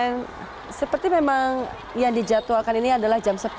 yang seperti memang yang dijadwalkan ini adalah jam sepuluh